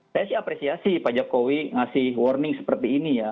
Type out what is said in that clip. saya sih apresiasi pak jokowi ngasih warning seperti ini ya